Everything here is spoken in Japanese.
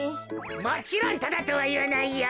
もちろんタダとはいわないよ。